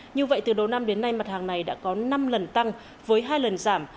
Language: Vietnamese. như vậy từ đầu năm đến nay mặt hàng này đã có năm lần tăng với hai lần giảm